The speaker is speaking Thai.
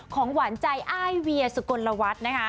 ของหวานใจอ้ายเวียสุโกนละวัดนะคะ